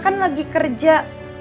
kan lagi kerja